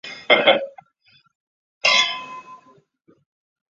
伊拉克的穆斯林属于什叶派和逊尼派。